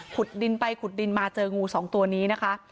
ขุดดินไปขุดดินมาเจองูสองตัวนี้